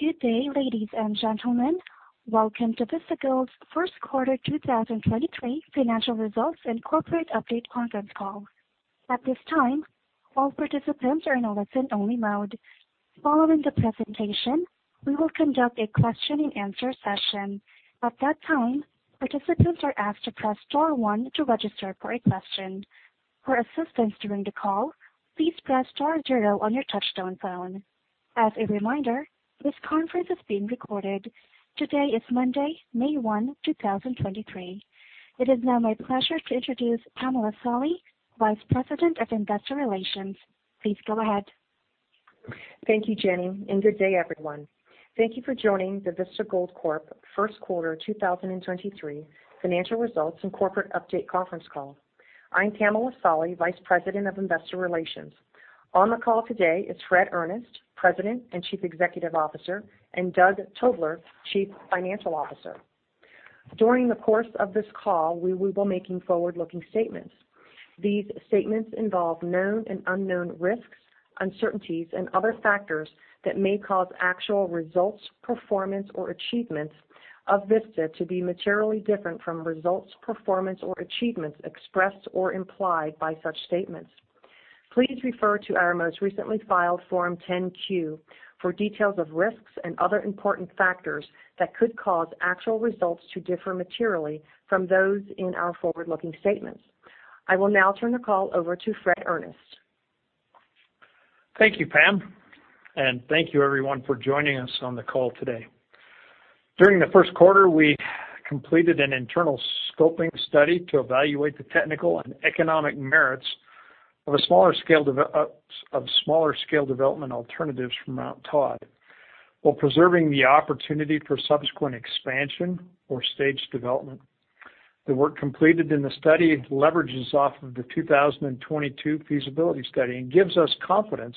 Good day, ladies and gentlemen. Welcome to Vista Gold's first quarter 2023 financial results and corporate update conference call. At this time, all participants are in a listen-only mode. Following the presentation, we will conduct a question-and-answer session. At that time, participants are asked to press star one to register for a question. For assistance during the call, please press star zero on your touchtone phone. As a reminder, this conference is being recorded. Today is Monday, May 1, 2023. It is now my pleasure to introduce Pamela Solly, Vice President of Investor Relations. Please go ahead. Thank you, Jenny. Good day, everyone. Thank you for joining the Vista Gold Corp first quarter 2023 financial results and corporate update conference call. I'm Pamela Solly, Vice President of Investor Relations. On the call today is Fred Earnest, President and Chief Executive Officer, and Doug Tobler, Chief Financial Officer. During the course of this call, we will be making forward-looking statements. These statements involve known and unknown risks, uncertainties, and other factors that may cause actual results, performance, or achievements of Vista to be materially different from results, performance, or achievements expressed or implied by such statements. Please refer to our most recently filed Form 10-Q for details of risks and other important factors that could cause actual results to differ materially from those in our forward-looking statements. I will now turn the call over to Fred Earnest. Thank you, Pam. Thank you everyone for joining us on the call today. During the first quarter, we completed an internal scoping study to evaluate the technical and economic merits of a smaller scale of smaller scale development alternatives from Mount Todd, while preserving the opportunity for subsequent expansion or staged development. The work completed in the study leverages off of the 2022 feasibility study and gives us confidence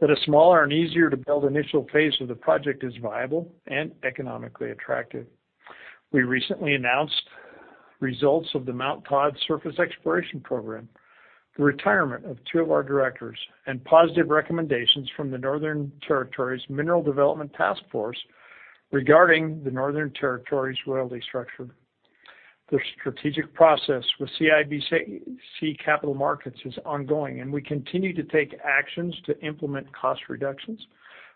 that a smaller and easier to build initial phase of the project is viable and economically attractive. We recently announced results of the Mount Todd surface exploration program, the retirement of two of our directors, and positive recommendations from the Northern Territory's Mineral Development Taskforce regarding the Northern Territory's royalty structure. The strategic process with CIBC Capital Markets is ongoing. We continue to take actions to implement cost reductions,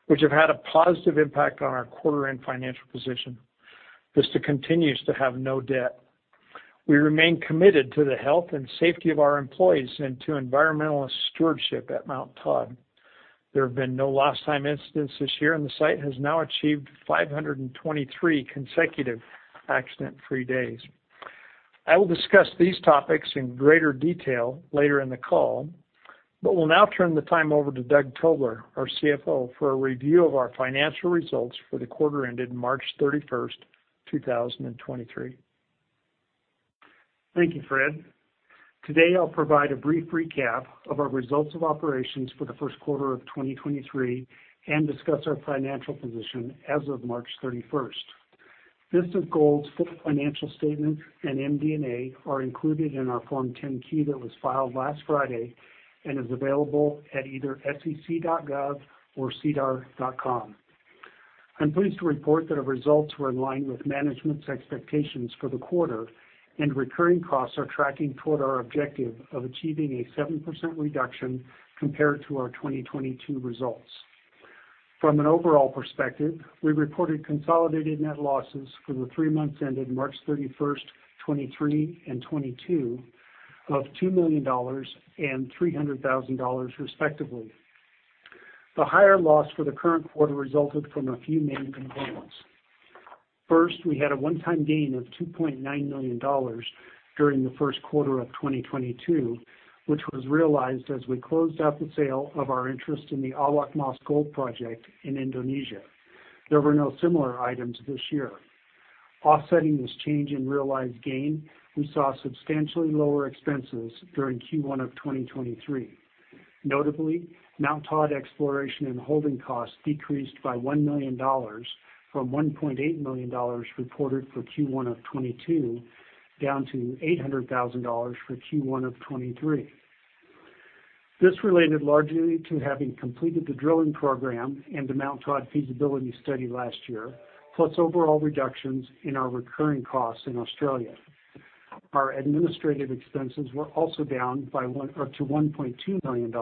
which have had a positive impact on our quarter-end financial position. Vista continues to have no debt. We remain committed to the health and safety of our employees and to environmental stewardship at Mount Todd. There have been no lost time incidents this year. The site has now achieved 523 consecutive accident-free days. I will discuss these topics in greater detail later in the call. Will now turn the time over to Doug Tobler, our CFO, for a review of our financial results for the quarter ended March 31st, 2023. Thank you, Fred. Today, I'll provide a brief recap of our results of operations for the first quarter of 2023 and discuss our financial position as of March 31st. Vista Gold's full financial statement and MD&A are included in our Form 10-Q that was filed last Friday and is available at either sec.gov or sedar.com. I'm pleased to report that our results were in line with management's expectations for the quarter and recurring costs are tracking toward our objective of achieving a 7% reduction compared to our 2022 results. From an overall perspective, we reported consolidated net losses for the three months ended March 31st, 2023 and 2022 of $2 million and $300,000, respectively. The higher loss for the current quarter resulted from a few main components. We had a one-time gain of $2.9 million during the first quarter of 2022, which was realized as we closed out the sale of our interest in the Awak Mas Gold Project in Indonesia. There were no similar items this year. Offsetting this change in realized gain, we saw substantially lower expenses during Q1 of 2023. Notably, Mount Todd exploration and holding costs decreased by $1 million from $1.8 million reported for Q1 of 2022 down to $800,000 for Q1 of 2023. This related largely to having completed the drilling program and the Mount Todd feasibility study last year, plus overall reductions in our recurring costs in Australia. Our administrative expenses were also down to $1.2 million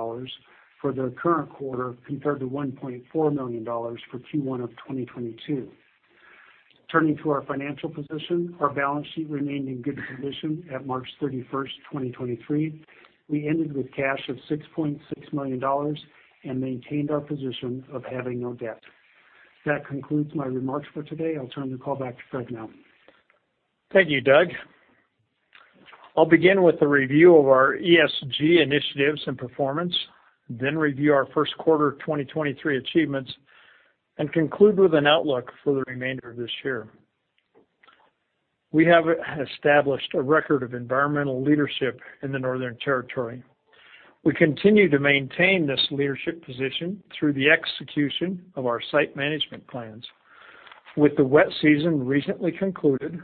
for the current quarter compared to $1.4 million for Q1 of 2022. Turning to our financial position, our balance sheet remained in good condition at March 31st, 2023. We ended with cash of $6.6 million and maintained our position of having no debt. That concludes my remarks for today. I'll turn the call back to Fred now. Thank you, Doug. I'll begin with a review of our ESG initiatives and performance, then review our first quarter of 2023 achievements, and conclude with an outlook for the remainder of this year. We have established a record of environmental leadership in the Northern Territory. We continue to maintain this leadership position through the execution of our site management plans. With the wet season recently concluded,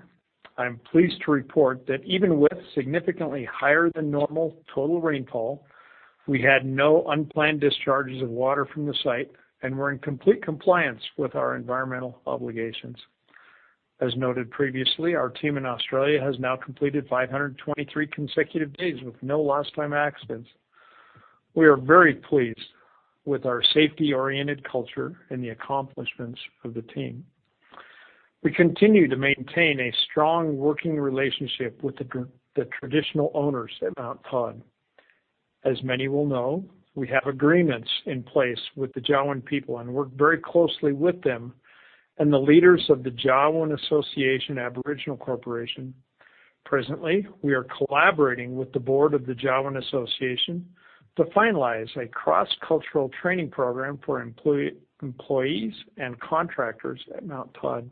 I'm pleased to report that even with significantly higher than normal total rainfall, we had no unplanned discharges of water from the site, and we're in complete compliance with our environmental obligations. As noted previously, our team in Australia has now completed 523 consecutive days with no lost time accidents. We are very pleased with our safety-oriented culture and the accomplishments of the team. We continue to maintain a strong working relationship with the traditional owners at Mount Todd. As many will know, we have agreements in place with the Jawoyn people and work very closely with them and the leaders of the Jawoyn Association Aboriginal Corporation. Presently, we are collaborating with the board of the Jawoyn Association to finalize a cross-cultural training program for employees and contractors at Mount Todd.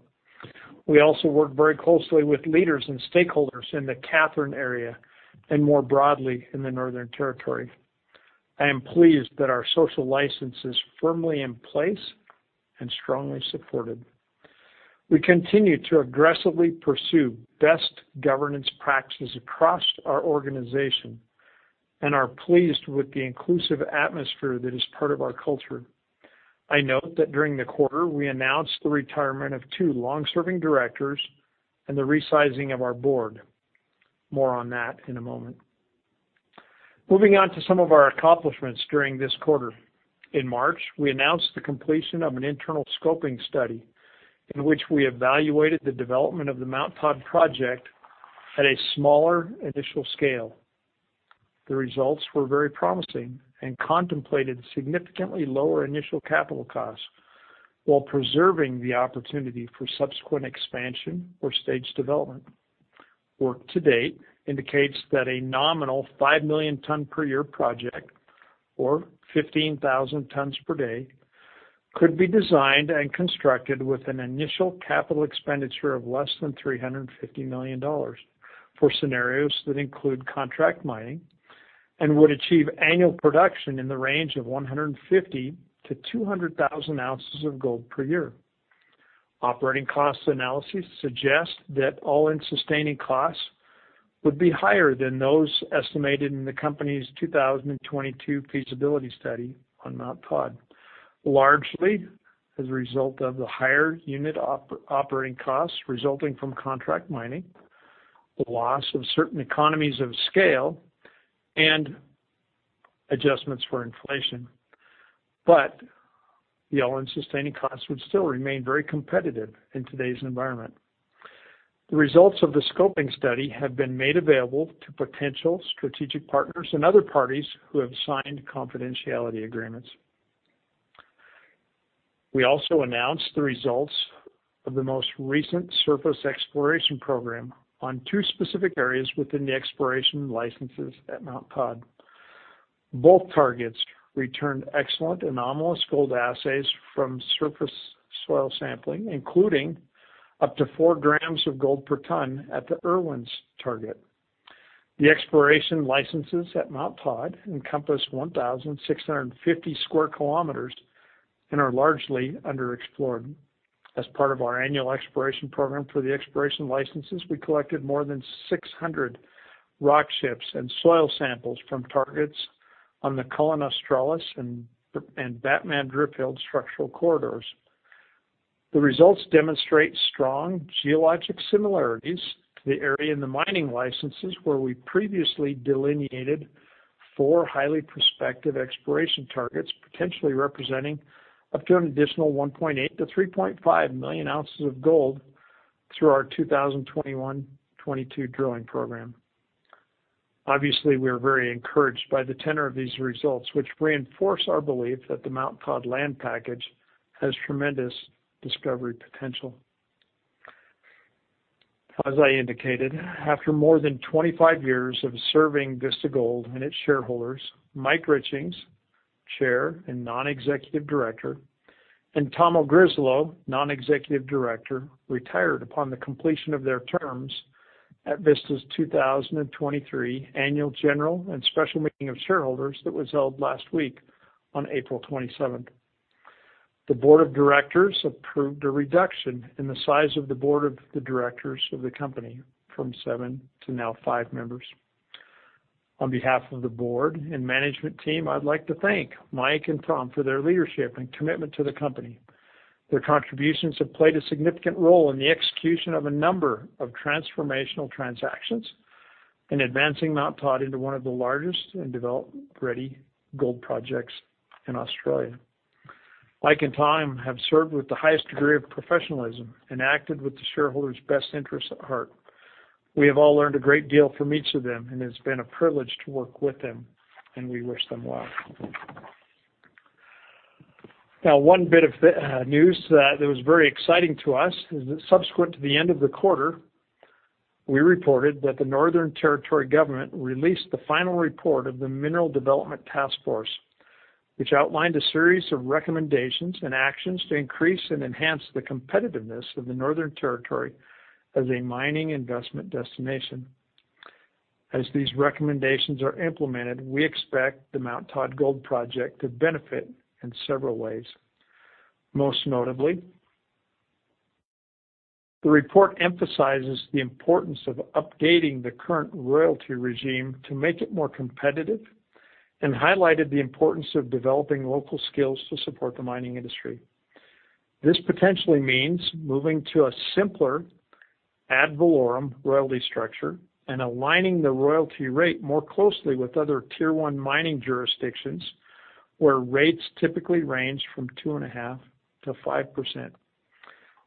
We also work very closely with leaders and stakeholders in the Katherine area and more broadly in the Northern Territory. I am pleased that our social license is firmly in place and strongly supported. We continue to aggressively pursue best governance practices across our organization and are pleased with the inclusive atmosphere that is part of our culture. I note that during the quarter, we announced the retirement of two long-serving directors and the resizing of our board. More on that in a moment. Moving on to some of our accomplishments during this quarter. In March, we announced the completion of an internal scoping study in which we evaluated the development of the Mount Todd project at a smaller initial scale. The results were very promising and contemplated significantly lower initial capital costs while preserving the opportunity for subsequent expansion or staged development. Work to date indicates that a nominal 5 million ton per year project, or 15,000 tons per day, could be designed and constructed with an initial capital expenditure of less than $350 million for scenarios that include contract mining and would achieve annual production in the range of 150,000-200,000 oz of gold per year. Operating cost analysis suggests that all-in sustaining costs would be higher than those estimated in the company's 2022 feasibility study on Mount Todd, largely as a result of the higher unit operating costs resulting from contract mining, the loss of certain economies of scale, and adjustments for inflation. The all-in sustaining costs would still remain very competitive in today's environment. The results of the scoping study have been made available to potential strategic partners and other parties who have signed confidentiality agreements. We also announced the results of the most recent surface exploration program on two specific areas within the exploration licenses at Mount Todd. Both targets returned excellent anomalous gold assays from surface soil sampling, including up to four grams of gold per ton at the Irwins target. The exploration licenses at Mount Todd encompass 1,650 square kilometers and are largely underexplored. As part of our annual exploration program for the exploration licenses, we collected more than 600 rock chips and soil samples from targets on the Cullen-Australis and Batman-Driffield structural corridors. The results demonstrate strong geologic similarities to the area in the mining licenses where we previously delineated four highly prospective exploration targets, potentially representing up to an additional 1.8 million-3.5 million ounces of gold through our 2021, 2022 drilling program. Obviously, we are very encouraged by the tenor of these results, which reinforce our belief that the Mount Todd land package has tremendous discovery potential. As I indicated, after more than 25 years of serving Vista Gold and its shareholders, Mike Richings, Chair and Non-Executive Director, and Tom Ogryzlo, Non-Executive Director, retired upon the completion of their terms at Vista's 2023 annual general and special meeting of shareholders that was held last week on April 27th. The board of directors approved a reduction in the size of the board of the directors of the company from seven to now five members. On behalf of the board and management team, I'd like to thank Mike and Tom for their leadership and commitment to the company. Their contributions have played a significant role in the execution of a number of transformational transactions and advancing Mount Todd into one of the largest and develop-ready gold projects in Australia. Mike and Tom have served with the highest degree of professionalism and acted with the shareholders' best interests at heart. We have all learned a great deal from each of them, and it's been a privilege to work with them, and we wish them well. One bit of news that was very exciting to us is that subsequent to the end of the quarter, we reported that the Northern Territory Government released the final report of the Mineral Development Taskforce, which outlined a series of recommendations and actions to increase and enhance the competitiveness of the Northern Territory as a mining investment destination. As these recommendations are implemented, we expect the Mount Todd Gold Project to benefit in several ways. Most notably, the report emphasizes the importance of updating the current royalty regime to make it more competitive, and highlighted the importance of developing local skills to support the mining industry. This potentially means moving to a simpler ad valorem royalty structure and aligning the royalty rate more closely with other Tier one mining jurisdictions, where rates typically range from 2.5%-5%.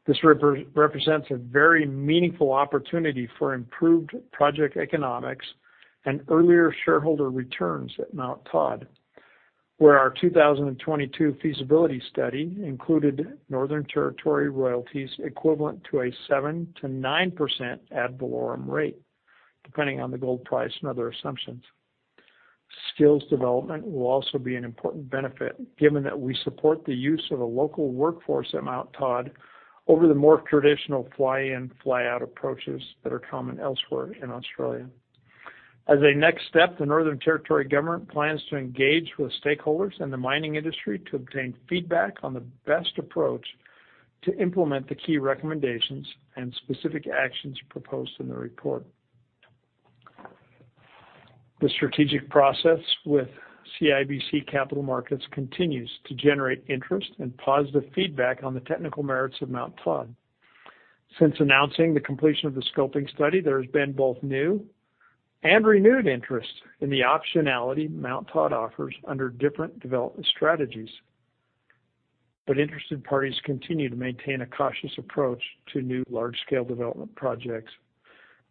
This represents a very meaningful opportunity for improved project economics and earlier shareholder returns at Mt Todd, where our 2022 feasibility study included Northern Territory royalties equivalent to a 7%-9% ad valorem rate, depending on the gold price and other assumptions. Skills development will also be an important benefit, given that we support the use of a local workforce at Mt Todd over the more traditional fly-in fly-out approaches that are common elsewhere in Australia. As a next step, the Northern Territory Government plans to engage with stakeholders in the mining industry to obtain feedback on the best approach to implement the key recommendations and specific actions proposed in the report. The strategic process with CIBC Capital Markets continues to generate interest and positive feedback on the technical merits of Mount Todd. Since announcing the completion of the scoping study, there has been both new and renewed interest in the optionality Mount Todd offers under different development strategies. Interested parties continue to maintain a cautious approach to new large-scale development projects.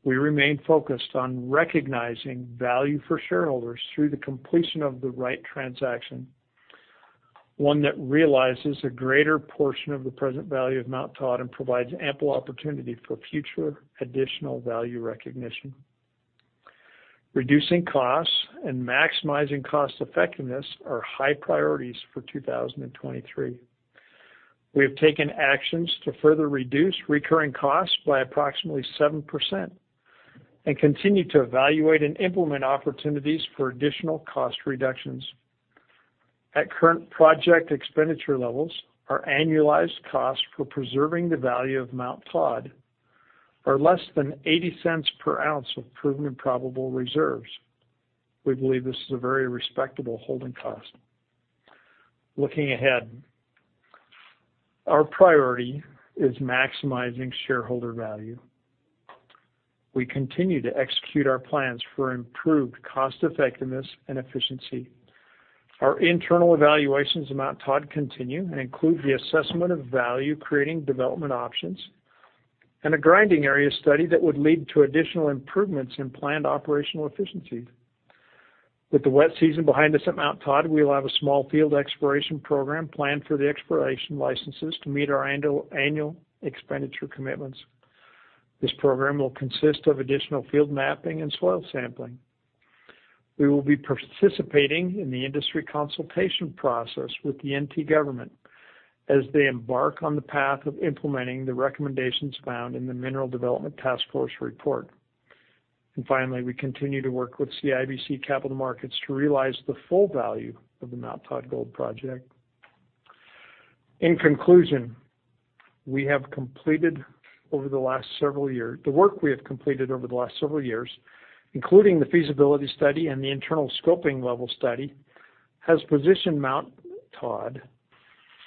We remain focused on recognizing value for shareholders through the completion of the right transaction, one that realizes a greater portion of the present value of Mount Todd and provides ample opportunity for future additional value recognition. Reducing costs and maximizing cost effectiveness are high priorities for 2023. We have taken actions to further reduce recurring costs by approximately 7% and continue to evaluate and implement opportunities for additional cost reductions. At current project expenditure levels, our annualized cost for preserving the value of Mount Todd are less than $0.80 per ounce of proven and probable reserves. We believe this is a very respectable holding cost. Looking ahead, our priority is maximizing shareholder value. We continue to execute our plans for improved cost effectiveness and efficiency. Our internal evaluations at Mount Todd continue and include the assessment of value creating development options and a grinding area study that would lead to additional improvements in planned operational efficiencies. With the wet season behind us at Mount Todd, we will have a small field exploration program planned for the exploration licenses to meet our annual expenditure commitments. This program will consist of additional field mapping and soil sampling. We will be participating in the industry consultation process with the NT government as they embark on the path of implementing the recommendations found in the Mineral Development Taskforce report. Finally, we continue to work with CIBC Capital Markets to realize the full value of the Mount Todd Gold Project. In conclusion, the work we have completed over the last several years, including the feasibility study and the internal scoping level study, has positioned Mount Todd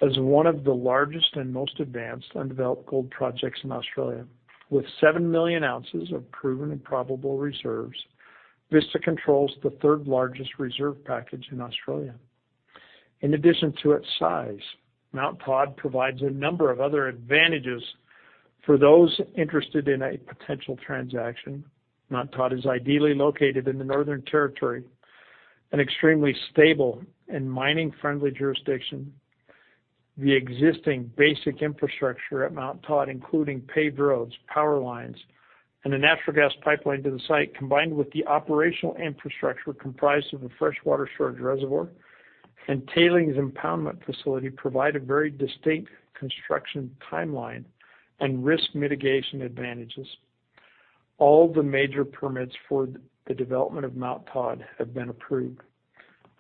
as one of the largest and most advanced undeveloped gold projects in Australia. With seven million ounces of proven and probable reserves, Vista controls the third largest reserve package in Australia. In addition to its size, Mount Todd provides a number of other advantages for those interested in a potential transaction. Mount Todd is ideally located in the Northern Territory, an extremely stable and mining friendly jurisdiction. The existing basic infrastructure at Mount Todd, including paved roads, power lines, and a natural gas pipeline to the site, combined with the operational infrastructure comprised of a freshwater storage reservoir and tailings impoundment facility, provide a very distinct construction timeline and risk mitigation advantages. All the major permits for the development of Mount Todd have been approved.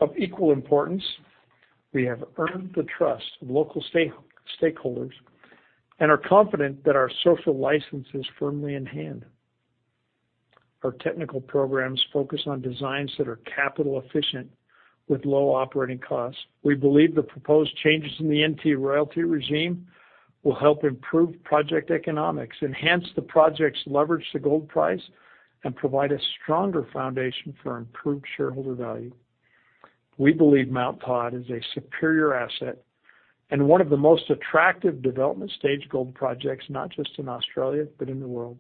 Of equal importance, we have earned the trust of local stakeholders and are confident that our social license is firmly in hand. Our technical programs focus on designs that are capital efficient with low operating costs. We believe the proposed changes in the NT royalty regime will help improve project economics, enhance the projects, leverage the gold price, and provide a stronger foundation for improved shareholder value. We believe Mount Todd is a superior asset and one of the most attractive development stage gold projects, not just in Australia but in the world.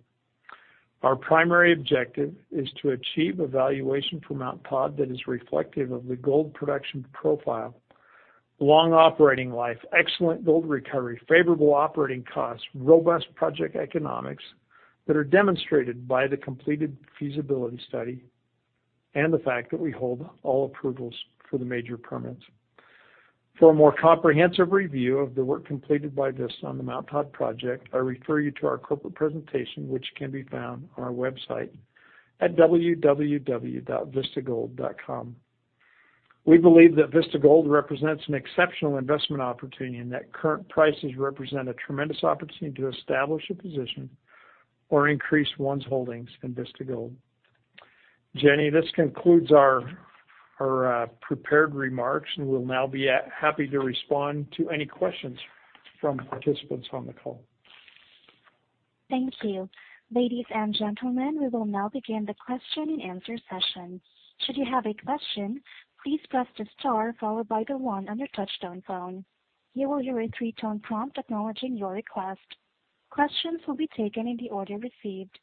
Our primary objective is to achieve a valuation for Mount Todd that is reflective of the gold production profile, long operating life, excellent gold recovery, favorable operating costs, robust project economics that are demonstrated by the completed feasibility study, and the fact that we hold all approvals for the major permits. For a more comprehensive review of the work completed by this on the Mount Todd project, I refer you to our corporate presentation, which can be found on our website at www.vistagold.com. We believe that Vista Gold represents an exceptional investment opportunity and that current prices represent a tremendous opportunity to establish a position or increase one's holdings in Vista Gold. Jenny, this concludes our prepared remarks. We'll now be happy to respond to any questions from participants on the call. Thank you. Ladies and gentlemen, we will now begin the question-and-answer session. Should you have a question, please press the star followed by the one on your touch-tone phone. You will hear a three-tone prompt acknowledging your request. Questions will be taken in the order received.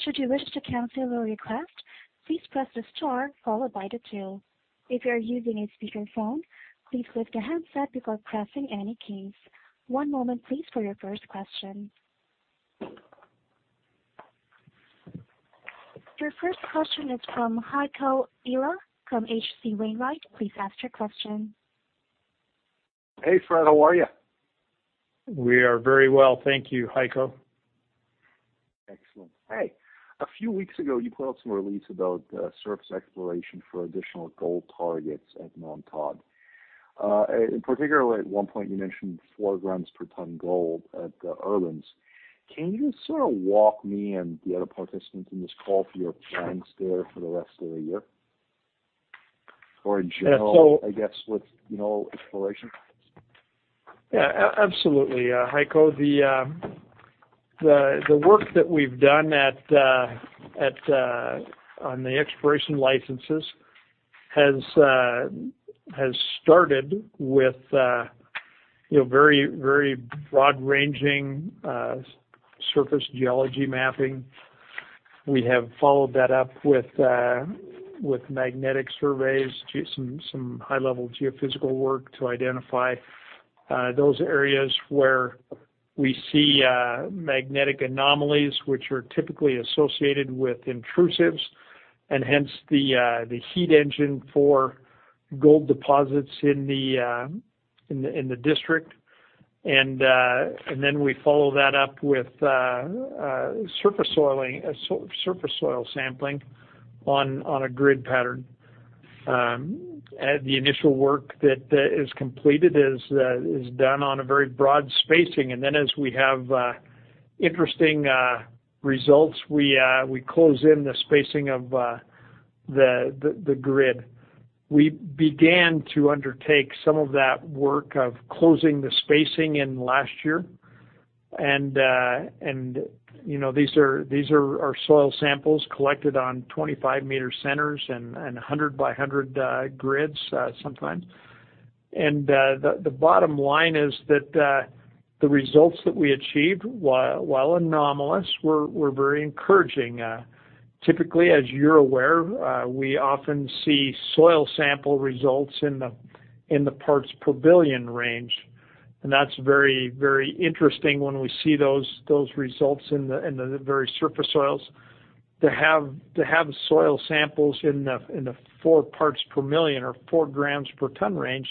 Should you wish to cancel your request, please press the star followed by the two. If you are using a speakerphone, please lift the handset before pressing any keys. one moment please for your first question. Your first question is from Heiko Ihle from H.C. Wainwright. Please ask your question. Hey, Fred. How are you? We are very well. Thank you, Heiko. Excellent. Hey, a few weeks ago, you put out some release about surface exploration for additional gold targets at Mount Todd. In particular, at one point, you mentioned four grams per ton gold at Irwins. Can you sort of walk me and the other participants in this call through your plans there for the rest of the year or in general? And so- I guess, with, you know, exploration? Yeah. Absolutely, Heiko. The work that we've done at, on the exploration licenses has started with, you know, very broad ranging surface geology mapping. We have followed that up with magnetic surveys, some high level geophysical work to identify those areas where we see magnetic anomalies, which are typically associated with intrusives and hence the heat engine for gold deposits in the district. Then we follow that up with surface soiling, surface soil sampling on a grid pattern. At the initial work that is completed is done on a very broad spacing. Then as we have interesting results, we close in the spacing of the grid. We began to undertake some of that work of closing the spacing in last year. You know, these are our soil samples collected on 25 meter centers and 100 by 100 grids sometimes. The bottom line is that the results that we achieved while anomalous were very encouraging. Typically, as you're aware, we often see soil sample results in the parts per billion range, and that's very, very interesting when we see those results in the very surface soils. To have soil samples in the four parts per million or four grams per ton range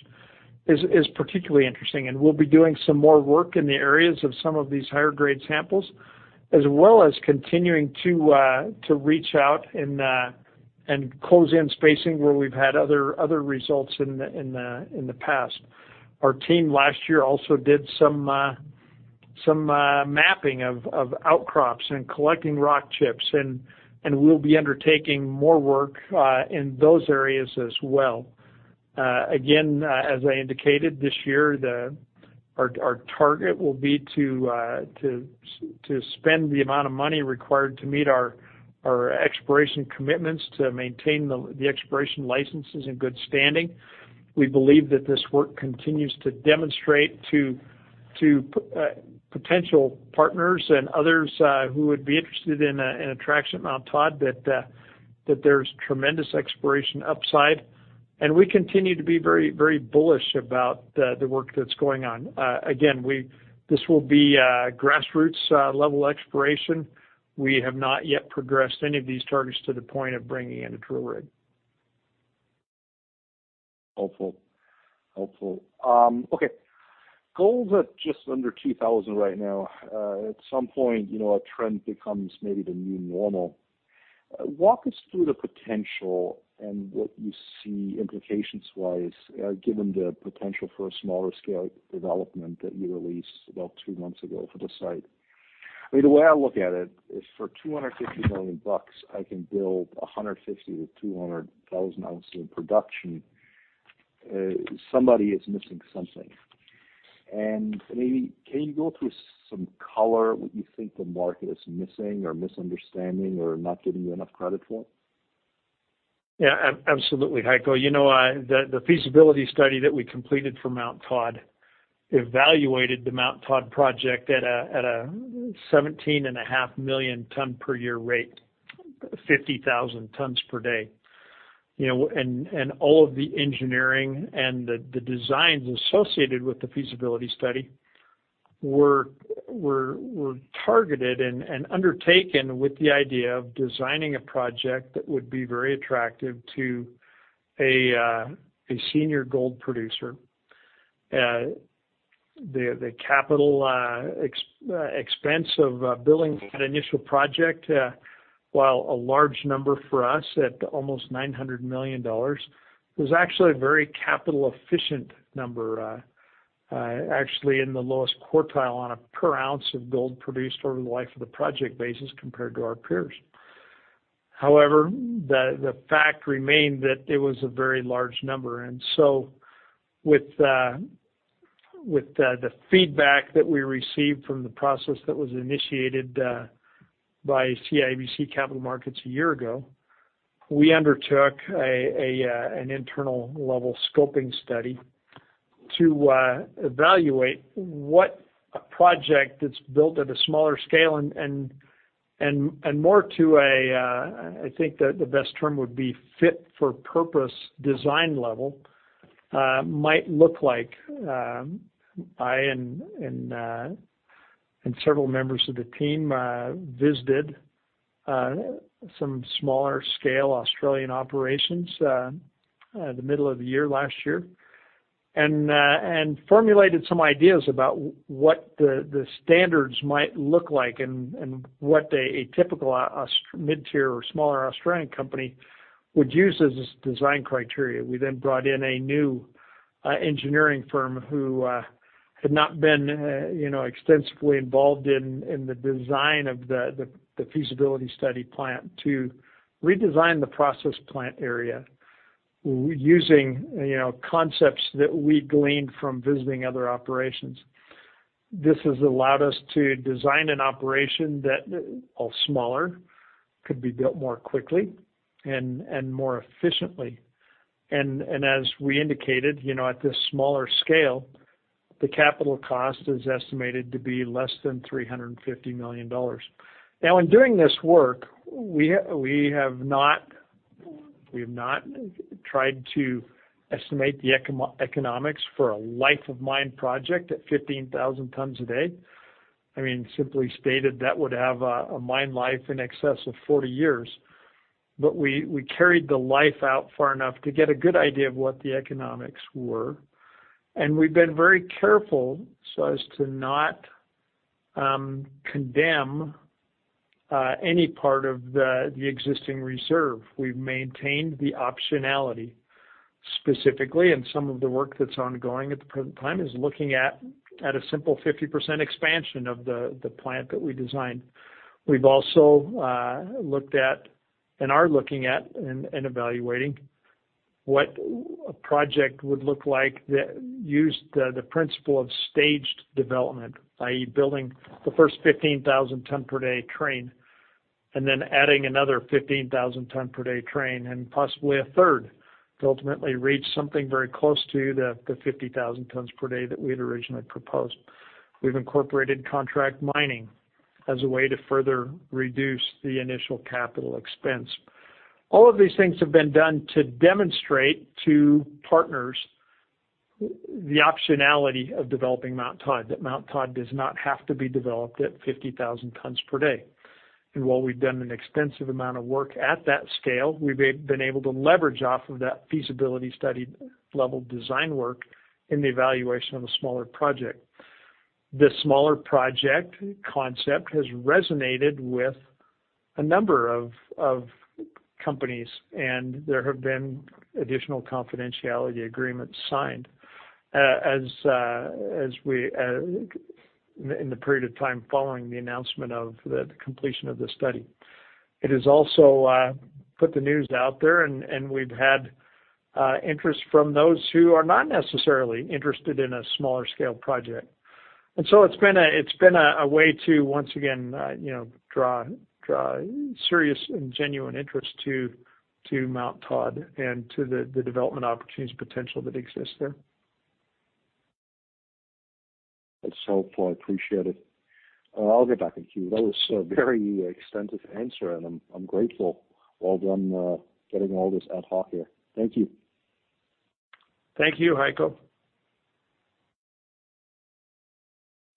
is particularly interesting. We'll be doing some more work in the areas of some of these higher grade samples, as well as continuing to reach out and close in spacing where we've had other results in the past. Our team last year also did some mapping of outcrops and collecting rock chips, and we'll be undertaking more work in those areas as well. Again, as I indicated this year, our target will be to spend the amount of money required to meet our exploration commitments to maintain the exploration licenses in good standing. We believe that this work continues to demonstrate to potential partners and others who would be interested in attraction at Mt Todd that there's tremendous exploration upside. We continue to be very, very bullish about the work that's going on. Again, this will be a grassroots, level exploration. We have not yet progressed any of these targets to the point of bringing in a drill rig. Hopeful. Helpful. Okay. Gold's at just under 2,000 right now. At some point, you know, a trend becomes maybe the new normal. Walk us through the potential and what you see implications wise, given the potential for a smaller scale development that you released about two months ago for the site. I mean, the way I look at it is for $250 million, I can build 150,000-200,000 oz in production. Somebody is missing something. Maybe can you go through some color what you think the market is missing or misunderstanding or not giving you enough credit for? Yeah. Absolutely, Heiko. You know, the feasibility study that we completed for Mt Todd evaluated the Mt Todd project at a 17.5 million tons per year rate, 50,000 tons per day. You know, all of the engineering and the designs associated with the feasibility study Were targeted and undertaken with the idea of designing a project that would be very attractive to a senior gold producer. The capital expense of building that initial project, while a large number for us at almost $900 million, was actually a very capital efficient number, actually in the lowest quartile on a per ounce of gold produced over the life of the project basis compared to our peers. However, the fact remained that it was a very large number. With the feedback that we received from the process that was initiated by CIBC Capital Markets 1 year ago, we undertook an internal level scoping study to evaluate what a project that's built at a smaller scale and more to a, I think the best term would be fit for purpose design level might look like. I and several members of the team visited some smaller scale Australian operations in the middle of the year last year. Formulated some ideas about what the standards might look like and what a typical mid-tier or smaller Australian company would use as its design criteria. We then brought in a new engineering firm who had not been, you know, extensively involved in the design of the feasibility study plant to redesign the process plant area using, you know, concepts that we gleaned from visiting other operations. This has allowed us to design an operation that, all smaller, could be built more quickly and more efficiently. As we indicated, you know, at this smaller scale, the capital cost is estimated to be less than $350 million. In doing this work, we have not tried to estimate the eco-economics for a life of mine project at 15,000 tons a day. I mean, simply stated, that would have a mine life in excess of 40 years. We carried the life out far enough to get a good idea of what the economics were. We've been very careful so as to not condemn any part of the existing reserve. We've maintained the optionality specifically, and some of the work that's ongoing at the pre-time is looking at a simple 50% expansion of the plant that we designed. We've also looked at, and are looking at and evaluating what a project would look like that used the principle of staged development, i.e., building the first 15,000 ton per day train and then adding another 15,000 ton per day train and possibly a third to ultimately reach something very close to the 50,000 tons per day that we had originally proposed. We've incorporated contract mining as a way to further reduce the initial capital expense. All of these things have been done to demonstrate to partners the optionality of developing Mount Todd, that Mount Todd does not have to be developed at 50,000 tons per day. While we've done an extensive amount of work at that scale, we've been able to leverage off of that feasibility study level design work in the evaluation of a smaller project. The smaller project concept has resonated with a number of companies, and there have been additional confidentiality agreements signed, as we in the period of time following the announcement of the completion of the study. It has also put the news out there, and we've had interest from those who are not necessarily interested in a smaller scale project. It's been a way to once again, you know, draw serious and genuine interest to Mount Todd and to the development opportunities potential that exists there. That's helpful. I appreciate it. I'll get back in queue. That was a very extensive answer, and I'm grateful. Well done, getting all this ad hoc here. Thank you. Thank you, Heiko.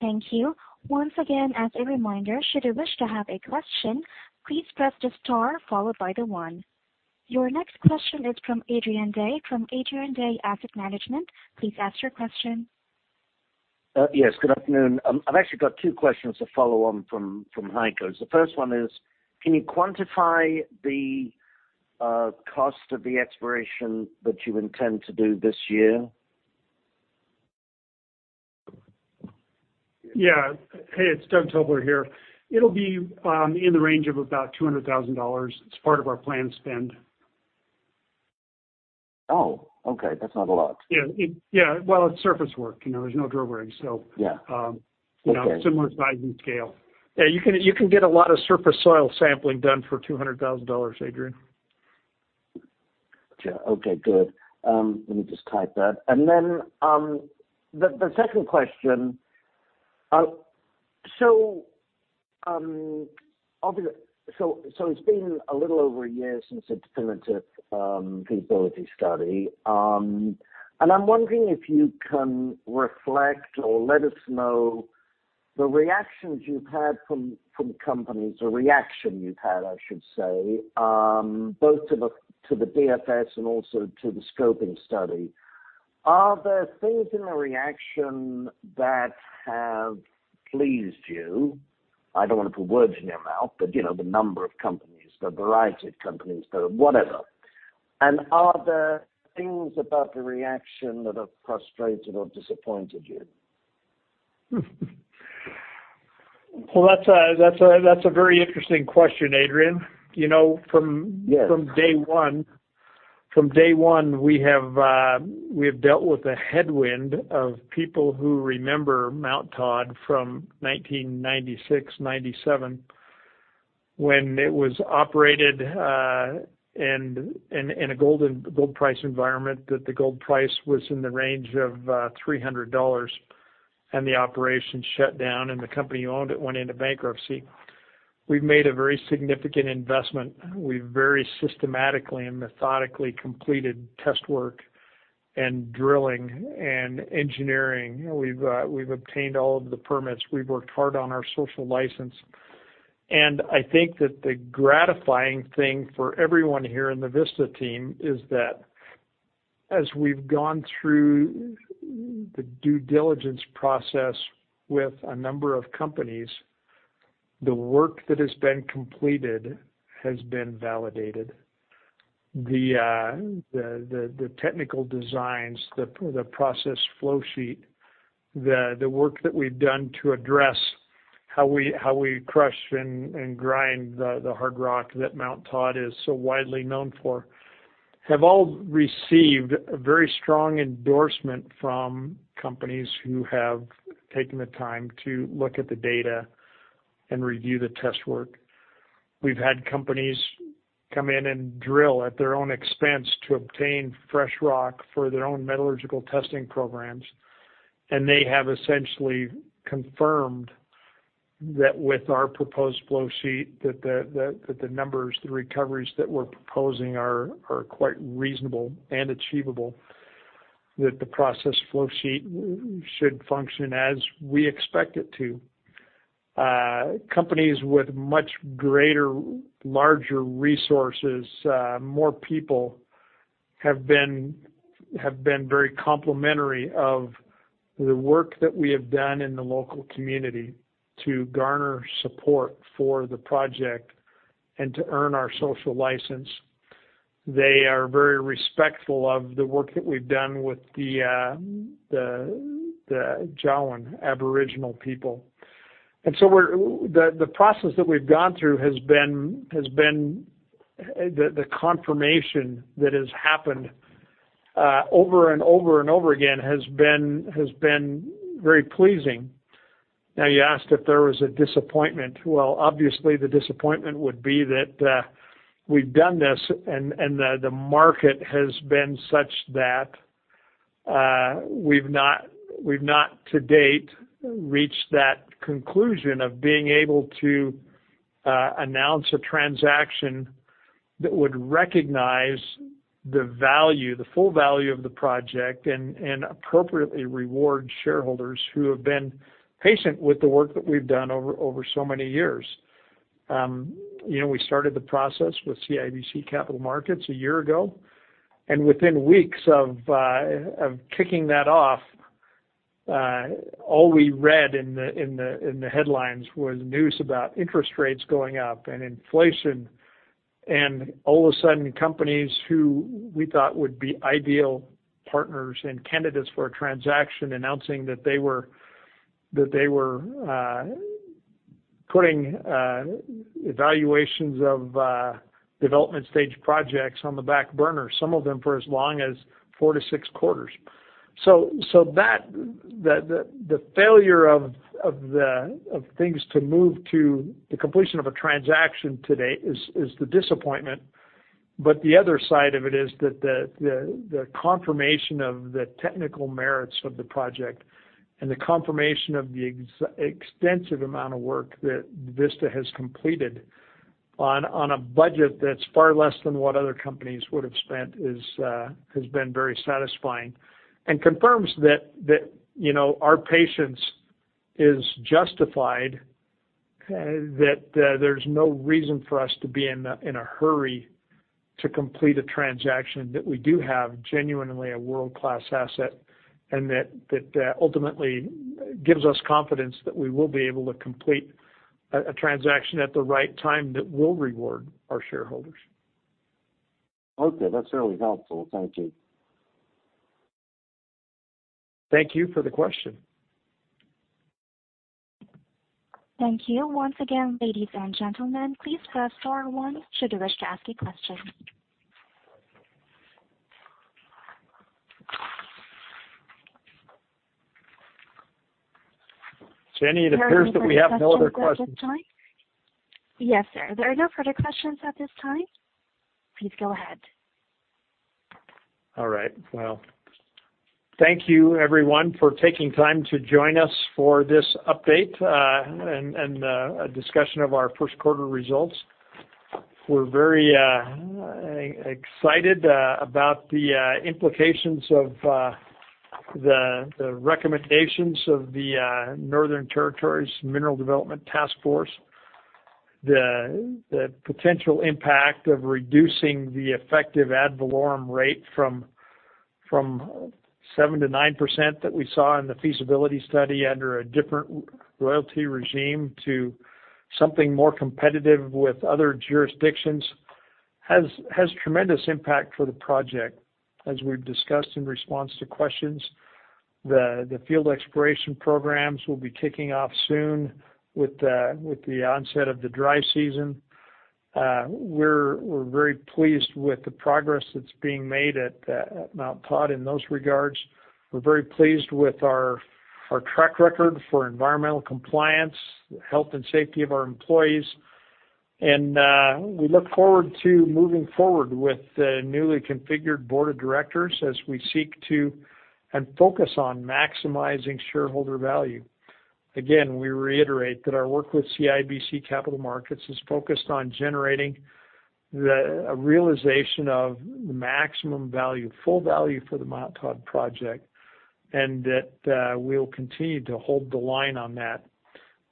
Thank you. Once again, as a reminder, should you wish to have a question, please press the star followed by the one. Your next question is from Adrian Day, from Adrian Day Asset Management. Please ask your question. Yes, good afternoon. I've actually got two questions to follow on from Heiko's. The first one is, can you quantify the cost of the exploration that you intend to do this year? Yeah. Hey, it's Doug Tobler here. It'll be in the range of about $200,000. It's part of our planned spend. Oh, okay. That's not a lot. Yeah. Yeah. Well, it's surface work. You know, there's no drill rigs. Yeah. Um, you know- Okay... similar size and scale. Yeah, you can get a lot of surface soil sampling done for $200,000, Adrian. Okay. Okay, good. Let me just type that. The second question. I'm wondering if you can reflect or let us know the reactions you've had from companies, or reaction you've had, I should say, both to the BFS and also to the scoping study. Are there things in the reaction that have pleased you? I don't wanna put words in your mouth, but you know, the number of companies, the variety of companies that have... whatever. Are there things about the reaction that have frustrated or disappointed you? Well, that's a very interesting question, Adrian. You know. Yes. From day one, we have dealt with the headwind of people who remember Mt Todd from 1996, 1997, when it was operated, and in a golden gold price environment that the gold price was in the range of $300 and the operation shut down and the company who owned it went into bankruptcy. We've made a very significant investment. We've very systematically and methodically completed test work and drilling and engineering. We've obtained all of the permits. We've worked hard on our social license. I think that the gratifying thing for everyone here in the Vista team is that as we've gone through the due diligence process with a number of companies, the work that has been completed has been validated. The technical designs, the process flow sheet, the work that we've done to address how we crush and grind the hard rock that Mt Todd is so widely known for, have all received a very strong endorsement from companies who have taken the time to look at the data and review the test work. We've had companies come in and drill at their own expense to obtain fresh rock for their own metallurgical testing programs, and they have essentially confirmed that with our proposed flow sheet that the numbers, the recoveries that we're proposing are quite reasonable and achievable, that the process flow sheet should function as we expect it to. Companies with much greater, larger resources, more people have been very complimentary of the work that we have done in the local community to garner support for the project and to earn our social license. They are very respectful of the work that we've done with the Jawoyn Aboriginal people. The process that we've gone through has been the confirmation that has happened, over and over and over again has been very pleasing. You asked if there was a disappointment. Obviously the disappointment would be that we've done this and the market has been such that we've not to date reached that conclusion of being able to announce a transaction that would recognize the value, the full value of the project and appropriately reward shareholders who have been patient with the work that we've done over so many years. You know, we started the process with CIBC Capital Markets a year ago, and within weeks of kicking that off, all we read in the headlines was news about interest rates going up and inflation, and all of a sudden, companies who we thought would be ideal partners and candidates for a transaction announcing that they were putting evaluations of development stage projects on the back burner, some of them for as long as four to six quarters. That. The failure of things to move to the completion of a transaction to date is the disappointment. The other side of it is that the confirmation of the technical merits of the project and the confirmation of the extensive amount of work that Vista has completed on a budget that's far less than what other companies would've spent is has been very satisfying. Confirms that, you know, our patience is justified, that there's no reason for us to be in a hurry to complete a transaction that we do have genuinely a world-class asset, and that ultimately gives us confidence that we will be able to complete a transaction at the right time that will reward our shareholders. Okay. That's really helpful. Thank you. Thank you for the question. Thank you. Once again, ladies and gentlemen, please press star one should you wish to ask a question. Jenny, it appears that we have no other questions. Yes, sir. There are no further questions at this time. Please go ahead. All right. Well, thank you everyone for taking time to join us for this update, and a discussion of our first quarter results. We're very excited about the implications of the recommendations of the Northern Territory Mineral Development Taskforce. The potential impact of reducing the effective ad valorem rate from 7%-9% that we saw in the feasibility study under a different royalty regime to something more competitive with other jurisdictions has tremendous impact for the project. As we've discussed in response to questions, the field exploration programs will be kicking off soon with the onset of the dry season. We're very pleased with the progress that's being made at Mount Todd in those regards. We're very pleased with our track record for environmental compliance, health and safety of our employees. We look forward to moving forward with the newly configured board of directors as we seek to and focus on maximizing shareholder value. Again, we reiterate that our work with CIBC Capital Markets is focused on generating the realization of the maximum value, full value for the Mount Todd project, and that we'll continue to hold the line on that.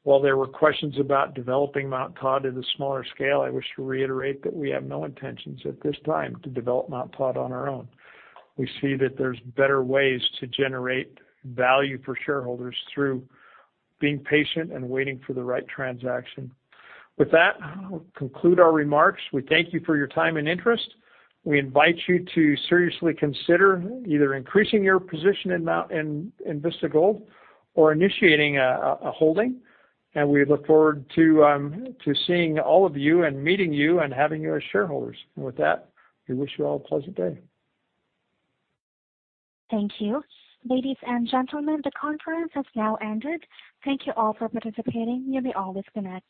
While there were questions about developing Mount Todd at a smaller scale, I wish to reiterate that we have no intentions at this time to develop Mount Todd on our own. We see that there's better ways to generate value for shareholders through being patient and waiting for the right transaction. With that, I'll conclude our remarks. We thank you for your time and interest. We invite you to seriously consider either increasing your position in Vista Gold or initiating a holding. We look forward to seeing all of you and meeting you and having you as shareholders. With that, we wish you all a pleasant day. Thank you. Ladies and gentlemen, the conference has now ended. Thank you all for participating. You may all disconnect.